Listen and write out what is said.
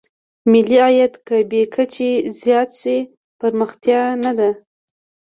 ملي عاید که بې کچې زیات شي پرمختیا نه ده.